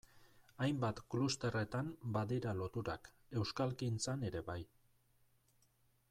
Hainbat klusterretan badira loturak, euskalgintzan ere bai...